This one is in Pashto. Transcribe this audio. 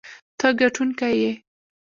ته ګټونکی یې.